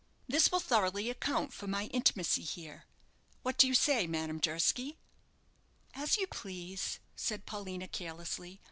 This will thoroughly account for my intimacy here. What do you say, Madame Durski?" "As you please," said Paulina, carelessly.